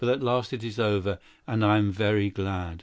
At last it is ended, and I am very glad."